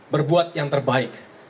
berbuat yang terbaik